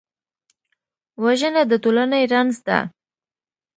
وژنه د ټولنې رنځ ده